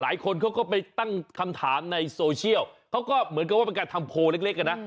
หลายคนเขาก็ไปตั้งคำถามในโซเชียลเขาก็เหมือนกับว่าเป็นการทำโพลเล็กอ่ะนะ